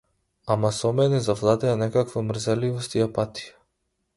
Ама со мене завладеа некаква мрзеливост и апатија.